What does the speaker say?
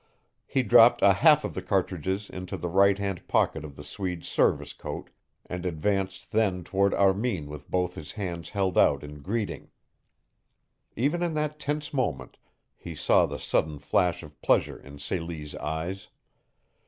He dropped a half of the cartridges into the right hand pocket of the Swede's service coat, and advanced then toward Armin with both his hands held out in greeting. Even in that tense moment he saw the sudden flash of pleasure in Celie's eyes.